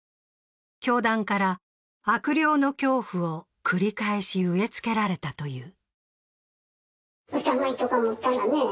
教団から、悪霊の恐怖を繰り返し植えつけられたという。